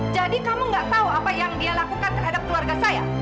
jadi kamu gak tahu apa yang dia lakukan terhadap keluarga saya